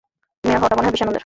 Mayor হওয়াটা মনে হয় বেশ আনন্দের।